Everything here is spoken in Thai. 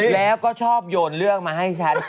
แล้วก็ชอบโยนเรื่องมาให้ฉัน